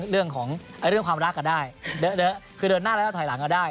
เรื่องของการรักก็ได้เดอะคือเดินหน้าแล้วถอยหลังก็ได้